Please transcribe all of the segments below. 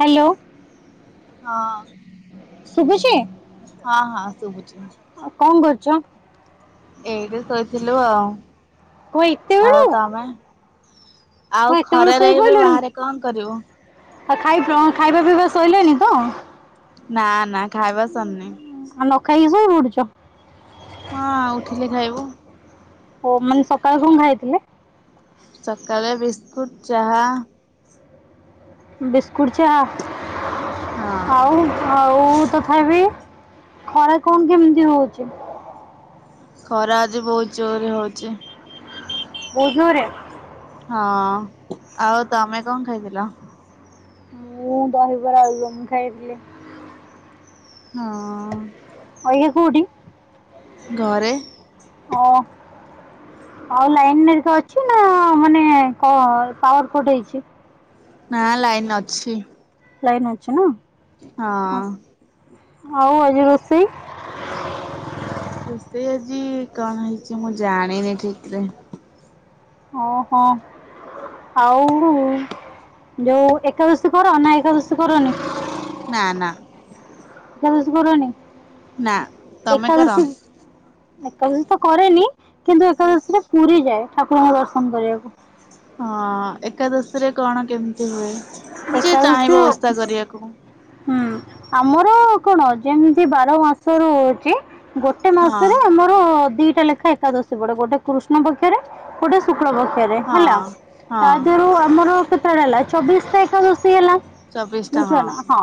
Hello ହଁ। ଶୁଭୁଛି? ହଁ, ହଁ ଶୁଭୁଛି। ଆଉ କଣ କରୁଛ? ଏଇଟି ଶୋଇଥିଲୁ ଆଉ। କଣ ଆଉ ଏତେବେଳୁ? ତମେ? କଣ ଆଉ ଏତେବେଳୁ ଖରାରେ ଏବେ ଶୋଇପଡ଼ିଲଣି ବାହାରେ କଣ କରିବୁ? ଆଉ ଖାଇପ ଖାଇବା ପିଇବା ଆସିଲାଣି ତ? ନା ନା ଖାଇବା ସରିନି। ଆଉ ନ ଖାଇକି ଶୋଇ ପଡୁଚ। ହଁ, ଉଠିଲେ ଖାଇବୁ। ଓ ମାନେ ସକାଳେୁ କଣ ଖାାଇଥିଲେ? ସକାଳେ ବିସ୍କୁଟ ଚାହା। ବିସ୍କୁଟ, ଚାହା ହଁ ଆଉ। ଆଉ ତଥାପି ଖରା କଣ କେମିତି ହଉଛି? ଖରା ଆଜି ବହୁତ୍ ଜୋରରେ ହଉଛି। ବହୁତ୍ ଜୋର୍ ରେ। ହଁ, ଆଉ ତମେ କଣ ଖାଇଥିଲ? ମୁଁ ଦହିବାର ଆଲୁଦମ୍ ଖାଇଥିଲି। ହଁ। ଆଇଖା କୋଉଠି? ଘରେ। ଅ ଆଉ ଲାଇନ ହେରିକା ଅଛି ନା ମାନେ କଣ ପାୱାର କଟ ହେଇଛି। ନା ଲାଇନ୍ ଅଛି। ଲାଇନ୍ ଅଛି ନା ହଁ। ଆଉ ଆଜି ରୋଷେଇ? ରୋଷେଇ ଆଜି କଣ ହେଇଛି ମୁଁ ଜାଣିନି ଠିକ୍ ସେ ଅ, ହିଁ। ଆଉ ଯୋଉ ଏକାଦଶୀ କର ନା ଏକାଦଶୀ କରନି? ନା ନା ଏକାଦଶୀ କରନି ନା ତମେ କର? ଏକାଦଶୀ ଏକାଦଶୀ ତ କରେନି। କିନ୍ତୁ ଏକାଦଶୀରେ ପୁରୀ ଯାଏ ଠାକୁରଙ୍କ ଦର୍ଶନ କରିବାକୁ। ହଁ, ଏକାଦଶୀରେ କଣ କେମିତି ହୁଏ ଯିଏ ଏକାଦଶୀ ଚାହିଁବ ଓଷା କରିବାକୁ? ହୁଁ, ଆମର କଣ ଯେମିତି ବାର ମାସ ରହୁଛି ଗୋଟେ ହଁ ମାସରେ ଆମର ଦିଟା ଲେଖା ଏକାଦଶୀ ପଡେ ଗୋଟେ କୃଷ୍ଣ ପକ୍ଷରେ ଗୋଟେ ଶୁକ୍ଳ ପକ୍ଷରେ ହଁ ହେଲା ତା ହଁ ଦେହରୁ ଆମର କେତେବେଳା ହେଲା ଚବିଶ ତାରିଖ ଏକାଦଶି ହେଲା ବୁଝୁଛ ନା ହଁ।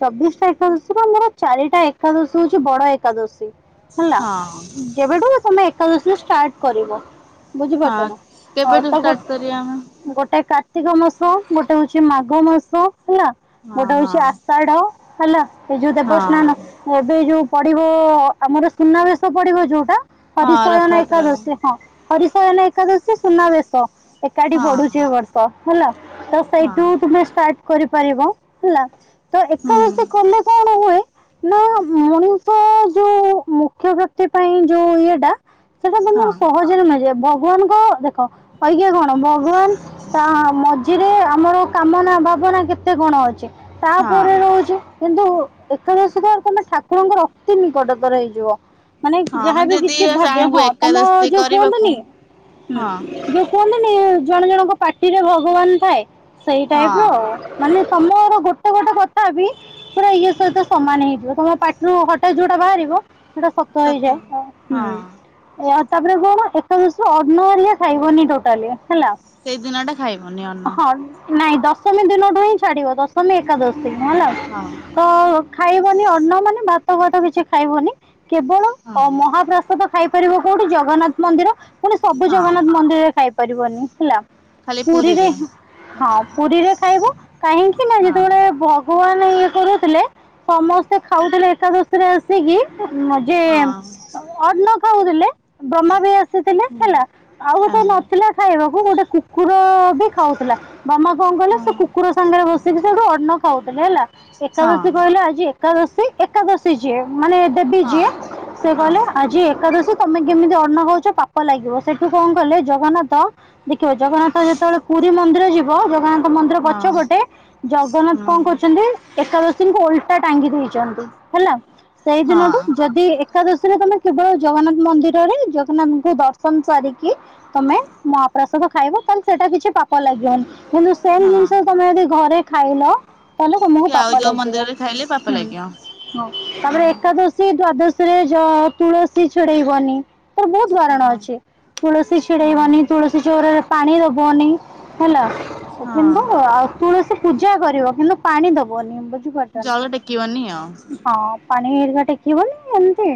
ଚବିଶଟା ଏକାଦଶୀ ରୁ ଆମର ଚାରିଟା ଏକାଦଶୀ ହଉଛି ବଡ ଏକାଦଶୀ। ହେଲା ହଁ ଯେବେଠୁ ତମେ ଏକାଦଶିନ ଷ୍ଟାର୍ଟ କରିବ ହଁ ବୁଝିପାରୁଛ ନା ହଁ କେବେଠୁ ତା ଷ୍ଟାର୍ଟ ଗୋଟେ କରିବା ଆମେ ଗୋଟେ କାର୍ତ୍ତିକ ମାସ ଗୋଟେ ହଉଛି ମାଘ ମାସ ହେଲା ହଁ ଗୋଟେ ହୋଉଛି ହଁ ଆଷାଢ଼ ହେଲା ଏ ଯଉ ହଁ ଦେବସ୍ନାନ ଏବେ ଯୋଉ ପଡିବ ଆମର ସୁନାବେଶ ପଡିବ ଯୋଉଟା ହଁ ହରିଶୟନ ରଥଯାତ୍ରାକୁ ଏକାଦଶୀ ହଁ ହରିଶୟନ ଏକାଦଶୀ ସୁନାବେେଶ ଏକାଠି ପଢୁଛି ହଁ ଏ ବର୍ଷ ହେଲା ତ ହଁ ସେଇଠୁ ତୁମେ ଷ୍ଟାର୍ଟ କରିପାରିବ ହେଲା ତ ହୁଁ ଏକାଦଶୀ କଲେ କଣ ହୁଏ ନା ମଣିଷ ଯୋଉ ମୁଖ୍ୟ ବ୍ୟକ୍ତି ପାଇଁ ଯୋଉ ଇଏଟା ସେଟା ହଁ ତମକୁ ସହଜରେ ମିଳିଯିବ ଭଗବାନଙ୍କ ଦେଖ ଆଜ୍ଞା କଣ ଭଗବାନ ତା ମଝିରେ ଆମର କାମନା ଭାବନା କେତେ କଣ ଅଛି ହଁ ତାପରେ ହଁ ରହୁଛି କିନ୍ତୁ ଏକାଦଶୀ ତ କେ ଠାକୁରଙ୍କର ଅତି ନିକଟତର ହେଇଯିବ ମାନେ ଯାହାବି ଯଦି କିଛି ଭାବେ ଚାହିଁବୁ ହଁ ତମ ଏକାଦଶୀ ଯୋଉ କରିବାକୁ କୁହନ୍ତିନି ହଁ କୁହନ୍ତିନି ଜଣ ଜଣଙ୍କ ପାଟିରେ ଭଗବାନ ଥାଏ ସେଇ ଟାଇପର ହଁ ଆଉ ମାନେ ତମର ଗୋଟେ ଗୋଟେ କଥା ବି ପୁରା ଇଏ ସହିତ ସମାନ ହେଇଥା ତମ ପାଟିରୁ ହଠାତ୍ ଯୋଉଟା ବାହାରିବ ସେଇଟା ଶତ ସତ ହେଇଯାଏ ହୁଁ। ହଁ ଏଉ ତାପରେ କଣ ଏକଦଶୀ ଅର୍ନ ହେଲେ ଖାଇବନି ଟୋଟାଲି ହେଲା ସେଇ ଦିନଟା ଖାଇବନି ଅନ୍ନ ହଁ ନାଇଁ ଦଶମୀ ଦିନଠୁ ହିଁ ଛାଡିବ ଦଶମୀ ଏକାଦଶ ହଁ ଲ ତ ଖାଇବନି ଅନ୍ନ ମାନେ ଭାତ ଘାତ କିଛି ଖାଇବନି କେବଳ ହଁ ମହାପ୍ରାସଦ ଖାଇପାରିବ କୋଉଠୁ ଜଗନ୍ନାଥ ମନ୍ଦିର ସବୁ ହଁ ଜଗନ୍ନାଥ ମନ୍ଦିରରେ ଖାଇପାରିବନି ହେଲା ପୁରୀରେ ହଁ ପୁରୀରେ ଖାଇବ କାହିଁକି ନା ଯେତେବେଳେ ହଁ ଭଗବାନ ଇଏ କରୁଥିଲେ ସମସ୍ତେ ଖାଉଥିଲେ ଏକାଦଶୀରେ ଆସିକି ଯେ ଆଉ ଅନ୍ନ ଖାଉଥିଲେ ବ୍ରହ୍ମା ବି ଆସିଥିଲେ ହଁ ହେଲା ଆଉ ଗୋଟେ ହଁ ନଥିଲା ଖାଇବାକୁ ଗୋଟେ କୁକୁର ବି ଖାଉଥିଲା ବ୍ରହ୍ମା କଣ କହିଲେ ସେ ହଁ କୁକୁର ସାଙ୍ଗରେ ବସିକି ସେଠୁ ଅନ୍ନ ଖାଉଥିଲେ ହେଲା ଏକାଦଶୀ ହଁ କହିଲେ ଆଜି ଏକାଦଶୀ ଏକାଦଶୀ ଯିଏ ମାନେ ଦେବି ଯିଏ ହଁ ସେ କହିଲେ ଆଜି ଏକାଦଶୀ ତମେ କେମିତି ଅନ୍ନ ଖାଉଛ ପାପ ଲାଗିବ ସେଠୁ କଣ କଲେ ଜଗନ୍ନାଥ ଦେଖିବ ଜଗନ୍ନାଥ ଯେତେବେଳେ ପୁରୀ ମନ୍ଦିର ଯିବ ଜଗନ୍ନାଥ ମନ୍ଦିର ପଛ ହଁ ଗୋଟେ ଜଗନ୍ନାଥ କଣ କରିଛନ୍ତି ଏକାଦଶୀଙ୍କୁ ଓଲଟା ଟାଙ୍ଗି ଦେଇଛନ୍ତି ହେଲା ସେଇ ଦିନଠୁ ହଁ ଯଦି ଏ ଏକା ଦଶିରେ ତମେ କେବଳ ଜଗନ୍ନାଥ ମନ୍ଦିରରେ ଜଗନ୍ନାଥଙ୍କୁ ଦର୍ଶନ ସାରିକି ତମେ ମହାପ୍ରସାଦ ଖାଇବ ତାହେଲେ ସେଇଟା କିଛି ପାପ ଲାଗିବନି। କିନ୍ତୁ ସେମ ହଁ ଜିନିଷ ତମେ ଯଦି ଘରେ ଖାଇଲ ତାହେଲେ ତମକୁ ପାପ ଲାଗିବ। ଇଲେ ପାପା ଲାଗିବ? ହ ତାପରେ ହଁ ଏକାଦଶୀ ଦ୍ଵାଦଶୀ ରେ ଯ ତୁଳସୀ ଛିଡେଇବନି ତାର ବହୁତ ବାରଣା ହଁ ଅଛି ତୁଳସୀ ଛିଡେଇବନି ହଁ ତୁଳସୀ ଚଉରାରେ ପାଣି ଦବନି ହେଲା ହଁ କିନ୍ତୁ ଆଉ ତୁଳସୀ ପୂଜା କରିବ କିନ୍ତୁ ପାଣି ଦବନି। ବୁଝିପାରୁଛ ଜଳ ଟେକିବନି ଆଉ ହଁ ନା ପାାନିହେରିକା ଟେକି ବନି ଏମତି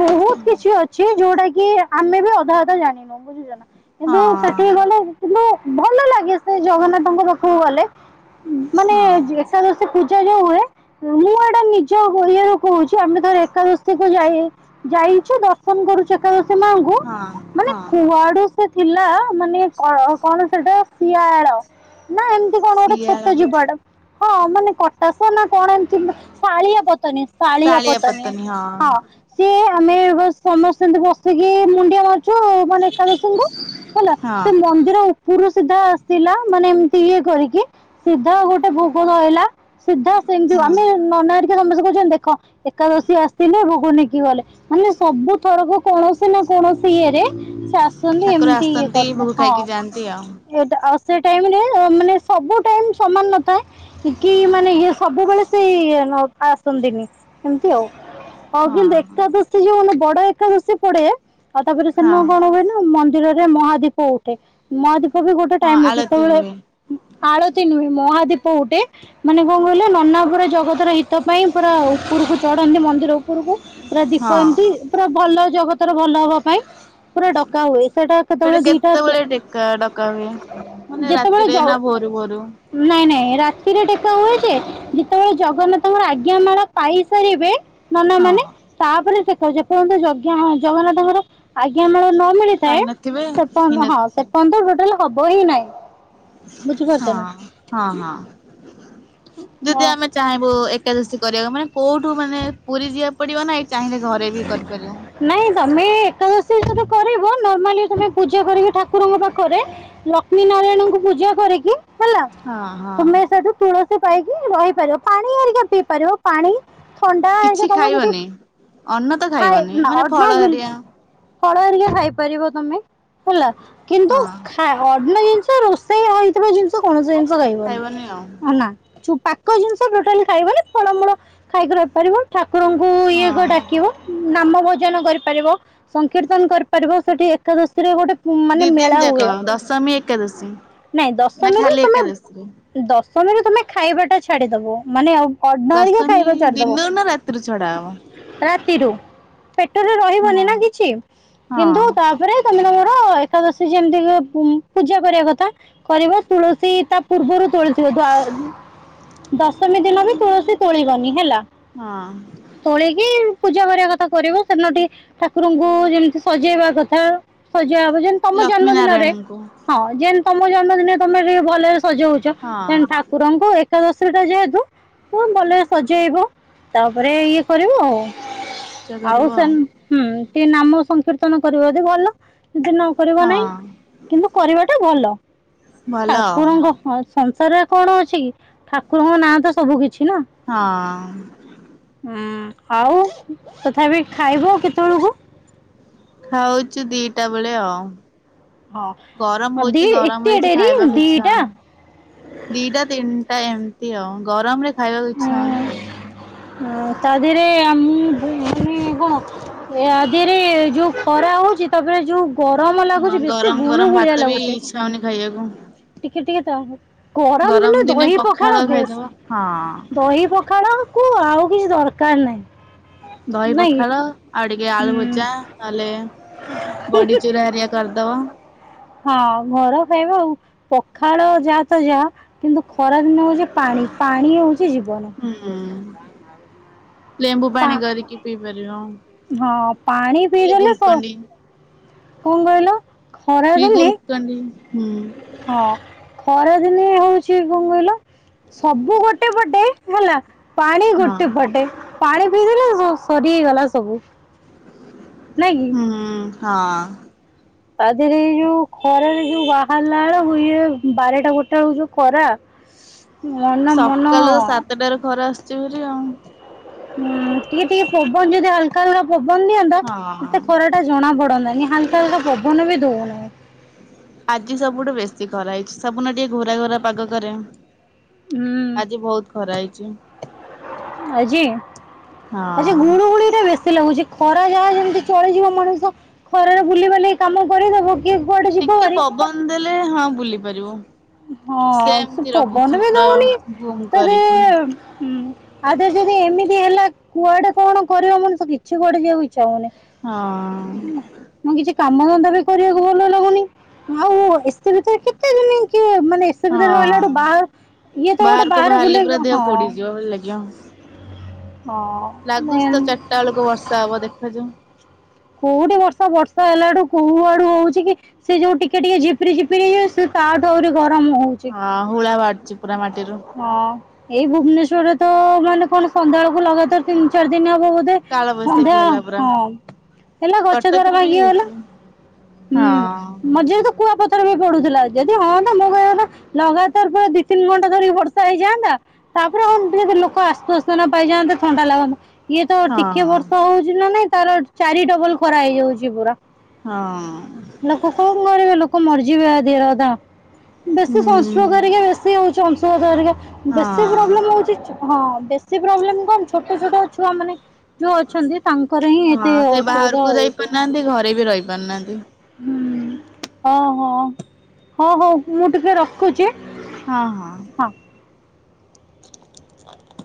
ବହୁତ କିଛି ଅଛି ଯୋଉଟା କି ଆମେ ବି ଅଧା ଅଧା ଜାଣିନୁ ବୁଝୁଛ ନା କିନ୍ତୁ ହଁ ସେଠି ଗଲେ କିନ୍ତୁ ଭଲ ଲାଗେ ସେ ଜଗନ୍ନାଥଙ୍କ ପାଖକୁ ଗଲେ ମାନେ ହଁ ଏକା ପୂଜା ଯୋଉ ହୁଏ ମୁଁ ଏଇଟା ନିଜ କରିଆରୁ କହୁଛି ଆମେ ଧର ଏକାଦଶୀ ଯାଇ ଯାଇଛୁ ଦର୍ଶନ କରୁଛୁ ଏକାଦଶୀ ମାଙ୍କୁ ହଁ ମାନେ ହଁ କୁଆଡୁ ସେ ଥିଲା ମାନେ କଣ କଣ ସେଟା ସିଆ ନା ଏମିତି କଣ ଗୋଟେ ଶିଆଳ ଛୋଟ ଯିବାଟା ହଁ ମାନେ କଟାସ ନା କଣ ଏମିତି ଶାଳିଆ ପତନୀ ଶାଳିଆ ପତନୀ ହଁ ସିଏ ଆମେ ସମସ୍ତେ ଏମିତି ବସିକି ମୁଣ୍ଡିଆ ମାରୁଚୁ ଯୋଉ ମାନେ ଏକାଦଶୀ ଙ୍କୁ ହେଲା ହଁ ସେ ମନ୍ଦିର ଉପୁରୁ ସିଧା ଥିଲା ମାନେ ଏମିତି ଇଏ କରିକି ସିଧା ଗୋଟେ ଭୋଗ ଧଇଲା ସିଧା ସେମିତି ହଁ ଆମେ ନନା ହରିକା ସମସ୍ତେ କହୁଛନ୍ତି ଦେଖ ଏକାଦଶୀ ଆସିଥିଲେ ଭୋଗ ନେଇକି ଗଲେ। ମାନେ ସବୁଥରକ କୌଣସି ନା କୌଣସି ଇଏରେ ସେ ଆସନ୍ତି ଏମିତି ଇଏ କରନ୍ତି ହଁ ଏମତି ଆଉ। ଏଟା ଆଉ ସେ ଟାଇମରେ ମାନେ ସବୁ ଟାଇମ ସମାନ ନଥାଏ କି ମାନେ ଇଏ ସବୁବେଳେ ସେଇ ଆସନ୍ତିନି ଏମିତି ଆଉ ହଉ ହଁ କିନ୍ତୁ ଏକାଦଶୀ ଯୋଉ ମାନେ ବଡ ଏକାଦଶୀ ପଡେ ଆଉ ତାପରେ ହଁ ସେନ କଣ ହୁଏ ନା ମନ୍ଦିରରେ ମହାଦୀପ ଉଠେ ମହାଦୀପ ବି ଗୋଟେ ହଁ ଟାଇମ ଅଛି ଯେତେ ଆଳତି ବେଳେ ହୁଏ ଆଳତି ନୁହେଁ ମୋହାଦୀପ ଉଠେ ମାନେ କଣ କହିଲେ ନନା ପୁରା ଜଗତର ହିତ ପାଇଁ ପୁରା ଉପରକୁ ଚଢନ୍ତି ମନ୍ଦିର କୁ ପୁରା ଦୀପ ହଁ ଏମିତି ପୁରା ଭଲ ଜଗତର ଭଲ ହବା ପାଇଁ। ପୁରା ଡକା ହୁଏ ସେଟା ସେଠି କେତେବେଳେ ଦିଟା କେତେବେଳେ ଡେକା ଡକା ହୁଏ ମାନେ ଯେତେବେଳେ ରାତିରେ ନା ଜ- ଭୋରୁ ଭୋରୁ ନାଇଁ ନାଇଁ ରାତିରେ ଡେକା ହୁଏଜେ ଯେତେ ବେଳେ ଜଗନ୍ନାଥ ଙ୍କ ଆଜ୍ଞା ମାଳ ପାଇସାରିବେ ମନା ମାନେ ହଁ। ତାପରେ ଦେଖ ଯେ ପର୍ଯ୍ୟନ୍ତ ଯଜ୍ଞ ହଉଚି ଜଗନ୍ନାଥ ଙ୍କର ଆଜ୍ଞା ମାଳ ନ ମିଳିଚି ପାଇନଥିବେ ସେପ ହଁ ହେଇନଥିବ। ସେପନ୍ତ ତ ଟୋଟାଲ ହବ ହିଁ ନାହିଁ। ବୁଝିପାରୁଛ ହଁ ନା ହଁ ହଁ ଯଦି ହଁ ଆମେ ଚାହିଁବୁ ଏକାଦଶୀ କରିବାକୁ ମାନେ କୋଉଠୁ ମାନେ ପୁରୀ ଯିବା ପଡିବ ନା ଏଇ ଚାହିଁଲେ ଘରେ ବି କରିପାରିବ। ନାଇଁ ତମେ ଏକାଦଶୀ ସତ କରିବ ନର୍ମାଲି ତମେ ପୂଜା କରିକି ଠାକୁର ଙ୍କ ପାଖରେ ଲକ୍ଷ୍ମୀ ନାରାୟଣଙ୍କୁ ପୂଜା କରିକି ହେଲା ହଁ ହଁ। ତୁମେ ସେଠୁ ତୁଳସୀ ପାଇକି ରହିପାରିବ ପାଣି ଆରିକା ପିଇ ପାରିବ। ପାଣି ଥଣ୍ଡା କିଛି ତମେ ଯଦି ଖାଇବନି ଅନ୍ନ ତ ଖାଇ ଖାଇବନି ନ ମାନେ ଅର୍ଣ୍ଣ ଫଳ ହେରିଆ ବିଲକୁଲ ଫଳ ହରିକା ଖାଇ ପାରିବ ତମେ ହେଲା କିନ୍ତୁ ହଁ ଖା ଅର୍ଣ ଜିନିଷ ରୋଷେଇ ହେଇଥିବା ଜିନିଷ କୌଣସି ଜିନିଷ ଖାଇବନି ଅନା ଯୋଉ ପାକ ଜିନିଷ ଟୋଟାଲି ଖାଇବନି ଫଳ ମୂଳ ଖାଇକି ରହି ପାରିବ ଠାକୁରଙ୍କୁ କୁ ଇଏ କ ହଁ। ଡାକିବ। ନାମ ଭୋଜନ କରିପାରିବ ସଂକୀର୍ତ୍ତନ କରିପାରିବ ସେଠି ଏକାଦଶୀରେ ଗୋ ମାନେ ଦି ଦିନ ମେଳା ଯାକ ହୁଏ ଦଶମୀ ଏକାଦଶୀ ନାଇଁ ନା ଦଶମୀରୁ ଖାଲି ତମେ ଏକାଦଶୀରେ? ଦଶମୀରେ ତମେ ଖାଇବା ଟା ଛାଡିଦବ ମାନେ ଅର୍ଣ ହିଁ ଖାଇବା ଛାଡ଼ି ଦବ। କେତେ ରେ ଛଡ଼ା ହେବ। ରାତିରୁ ପେଟରେ ହଁ ରହିବନି ନା କିଛି ହଁ କିନ୍ତୁ ତାପରେ ତମେ ତମର ଏକାଦଶୀ ଯେମିତି ପୂଜା କରିବା କଥା କରିବ ତୁଳସୀ ତା ପୂର୍ବରୁ ତୋଳିଥିବ ଦଶମୀ ଦିନ ବି ତୁଳସୀ ତୋଳିବନି ହେଲା। ହଁ। ତୋଳିକି ପୂଜା କରିବା କଥା କରିବ ସେଦିନ ଟି ଠାକୁରଙ୍କୁ ଯେମିତି ସଜେଇବା କଥା ସଜା ହବ ଯେମିତି ତମ ଲକ୍ଷ୍ମୀ ଜନ୍ମ ଦିନରେ ନାରାୟଣଙ୍କୁ ହଁ ଯେନ୍ ତମ ଜନ୍ମଦିନେ ତମେ ଟିକେ ଭଲରେ ସଜଉଛ ହଁ ଠା ଠାକୁରଙ୍କୁ ଏକାଦଶୀଟା ଯେହେତୁ ଖୁବ୍ ଭଲରେ ସଜେଇବ। ତାପରେ ଇଏ କରିବୁ ଆଉ ପୂଜା ଆଉ କରିବ ସେ ହୁଁ ଟିକେ ନାମ ସଂକୀର୍ତ୍ତନ କରିବ ଯଦି ଭଲ ଦିନ କରିବ ନାହିଁ ହଁ କିନ୍ତୁ କରିବାଟା ଭଲ ଭଲ ଆଉ ଠାକୁରଙ୍କ ହ ସଂସାରରେ କଣ ଅଛି କି ଠାକୁରଙ୍କ ନାଁ ତ ସବୁ କିଛି ନା। ହଁ। ହୁଁ ଆଉ ତଥାପି ଖାଇବ ଆ କେତେବେଳକୁ? ଖାଉଛୁ ଦିଟା ବେଳେ ଆଉ। ଗରମ ହଁ ଦି ହଉଚି ଗରମ ଏତେ ହେଇଛି ଡେରି ଖାଇବାକୁ ଇଛା ଦିଟା ହଉନି। ଦିଟା ତିନିଟା ଏମିତି ଆଉ ଗରମ ରେ ଖାଇବାକୁ ଇଛା ହଉନି ଆଉ। [unintelligible] ଏ ଆଦିରେ ଯୋଉ ଖରା ହଉଛି ତାପରେ ଯୋଉ ଗରମ ହଁ ଲାଗୁଛି ବେଶୀ ଗରମ ଗରମ ଭାତ ଗୁଳୁଗୁଳିଆ ବି ଲାଗୁଛି। ଇଚ୍ଛା ହଉନି ଖାଇବାକୁ ଟିକେ ଟିକେ ତ ଗରମ ଦିନ ଦହି ପଖାଳ ବେଶ୍। ହଁ। ଦହି ପଖାଳକୁ ଆଉ କିଛି ଦରକାର ନାହିଁ। ଦହି ନାଇଁ କି? ପାଖାଳ ଆଉ ଟିକେ ଆଳୁ ହୁଁ ଭଜା ନହେଲେ ବଡି ଚୁରା ହେରା କରିଦବା। ହଁ ଘର ଖାଇବା ଆଉ। ପଖାଳ ଯାହା ତ ଯାହା କିନ୍ତୁ ଖରା ଦିନ ହଉଛି ପାଣି ପାଣି ହଉଛି ଜୀବନ। ହୁଁ। ଲେମ୍ବୁ ପା ପାଣି କରିକି ପିଇପାରିବ ହଁ ପାଣି ନହେଲେ ପିଇଦେଲେ ସ ଗୁଲକଣ୍ଡି। କଣ କହିଲ କି ଖରାଦିନେ ଗୁଲକଣ୍ଡି ହୁଁ ହଁ ଖରାଦିନେ ହଉଛି କଣ କହିଲ ସବୁ ଗୋଟେ ପଟେ ହେଲା ପାଣି ହଁ ଗୋଟେ ପଟେ ପାଣି ପିଇଲେ ସରି ହେଇଗଲା ସବୁ। ନାଇଁ କି? ହୁଁ ହଁ। ତା ଦେହରେ ଏଇ ଯୋଉ ଖରାରେ ଯୋଉ ବାହାରିଲା ବେଳକୁ ଇଏ ବାରଟା ଗୋଟେ ବେଳେ ଯୋଉ ଖରା। [inaudible] ମନ ମନ ସକାଳ ତ ଉଁ ସାତଟାରୁ ଖରା ଆସୁଛି ଭାରି ଆଉ। ହୁଁ ଟିକେ ଟିକେ ପବନ ଯଦି ହାଲକା ହାଲକା ପବନ ଦିଅନ୍ତା ଏତେ ହଁ। ଖରା ଜଣା ପଡନ୍ତାନି ହାଲକା ହାଲକା ପବନ ବି ଦଉନାହିଁ। ଆଜି ସବୁଠୁ ବେଶୀ ଖରା ହେଇଛି ସବୁନ ଟିକେ ଘରା ଘରା ପାଗ କରେ। ହୁଁ ଆଜି ବହୁତ ଖରା ହେଇଛି। ଆଜି ଆ ହଁ ଗୁଳି ଗୁଳିଟା ବେଶି ସେ ଲାଗୁଛି ଖରା ଯାହା ଯେମିତି ଚଳିଯିବ ମଣିଷ ଖରାରେ ବୁଲିିବାଲି କାମ କରିଦବ। କିଏ କୁଆଡେ ଯିବ ଟିକେ ଭାରି। ପବନ ଦେଲେ ହଁ ବୁଲି ପାରିବ। ହଁ ସେ ପବନ ବି ଦଉନି ଗୁମ ତଦେ କରିକିନା ଆଗ ଯଦି ଏମିତି ହେଲା କୁଆଡେ କଣ କରିବ ମଣିଷ କିଛି କୁଆଡେ ଯିବାକୁ ଇଚ୍ଛା ହଉନି। ହଁ। ମୁଁ କିଛି କାମ ଧନ୍ଦା ବି କରିବାକୁ ଭଲ ଲାଗୁନି ଆଉ ଏସି ଭିତରେ କେତେ ଦିନି କି ମାନେ ଏସେ ଭିତରେ ରହିଲା ଗୋଟେ ହଁ ବାହାର ଇଏ ତ ଗୋଟେ ବାହାରକୁ ବାହାରେ ବାହାରିଲେ ପୁରା ବୁଲେଇ ଦେହ ହଁ। [unintelligible] ହଁ [unintelligible] ସେ ଯୋଉଁ। କୋଉଠି ବର୍ଷା ବର୍ଷା ହେଲାଡୁ କୋଉ ଆଡୁ ହଉଛି କି। ସେ ଯୋଉ ଟିକେ ଟିକେ ଝପିରି ଝିପିରି ହେଇଯାଉଚି ତା ଠୁ ଆହୁରି ଗରମ ହଉଚି। ହଁ ହୁଳା ବାହାରୁଛି ପୁରା ମାଟିରୁ। ହଁ ଏଇ ଭୁବନେଶ୍ୱରରେ ତ ମାନେ କଣ ସନ୍ଧ୍ୟାଳକୁ ଲଗାତାର ତିନି ଚାରି ଦିନି ହବ ବୋଧେ। କାଳବୈଶାଖୀ ସନ୍ଧ୍ୟା ହେଲା ପୁରା। ହଁ। ହେଲା ଗଛ ଦ୍ୱରା କଟକରେ ବି ଭାଙ୍ଗି ଗଲା ହେଇଛି ହଁ ହୁଁ ମଝିରେ ତ କୁଆପଥ ପଥର ପଡୁଥିଲା ଯଦି ହଁ ନ୍ତା ମୁଁ କହିବା ଲଗାତାର ପୁରା ଦି ତିନି ଘଣ୍ଟା ଧରି ବର୍ଷା ହେଇଯାଆନ୍ତା। ତାପରେ ହ ଯଦି ଲୋକ ଆସସ୍ଥାନା ପାଇଯାନ୍ ଥଣ୍ଡା ଲାଗନ୍ତା। ଇଏ ତ ହଁ। ଟିକେ ବର୍ଷ ହଉଛି ନା ନାଇଁ ତାର ଚାରି ଡବଲ ଖରା ହେଇଯାଉଛି ପୁରା। ହଁ। ଲୋକ କଣ କରିବେ ଲୋକ ମରିଯିବେ ଦେର ବେଶୀ ହୁଁ ସଂସଷ୍ଟର ହେରିକା ବେଶୀ ହଉଚି। ସେ ଅଂଶୁଘାତ ହେରିକା ବେଶୀ ହଁ। ପ୍ରୋବ୍ଲେମ ହଉଚି ହଁ ବେଶୀ ପ୍ରୋବ୍ଲେମ କଣ ଛୋଟ ଛୋଟ ଛୁଆ ମାନେ ଯୋଉ ଅଛନ୍ତି ତାଙ୍କର ହିଁ ହଁ ଏତେ ସେ ଅସୁବିଧା ବାହାରକୁ ଯାଇ ହଉଛି। ପାରୁନାହାନ୍ତି ଘରେ ବି ରହି ପାରୁନାହାନ୍ତି। ହୁଁ ଓ ହୋ ହଁ ହଉ ମୁଁ ଟିକେ ରଖୁଚି? ହଁ ହଁ। [unintelligible]